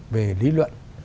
về lý luận